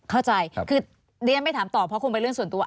เข้าใจคือเรียนไม่ถามต่อเพราะคงเป็นเรื่องส่วนตัว